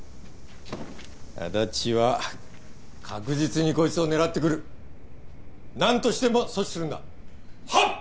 安達は確実にこいつを狙ってくる何としても阻止するんだはっ！